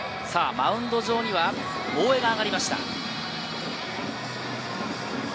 マウンド上には大江が上がりました。